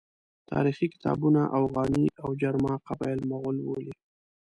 تاریخي کتابونه اوغاني او جرما قبایل مغول بولي.